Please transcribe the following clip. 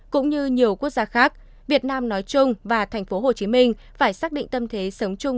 cũng như nhiều quốc gia khác việt nam nói chung và tp hcm phải xác định tâm thế sống chung